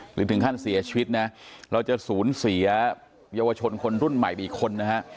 หรือถึงขั้นเสียชีวิตนะเราจะสูญเสียเยาวชนคนรุ่นใหม่ไปอีกคนนะฮะ